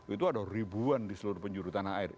itu ada ribuan di seluruh penjuru tanah air